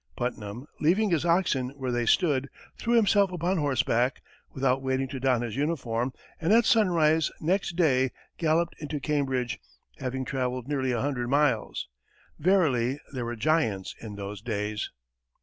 Putnam, leaving his oxen where they stood, threw himself upon horseback, without waiting to don his uniform, and at sunrise next day, galloped into Cambridge, having travelled nearly a hundred miles! Verily there were giants in those days!